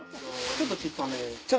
ちょっと小っさめ。